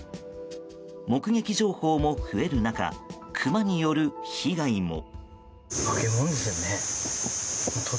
目撃情報も増える中クマによる被害も。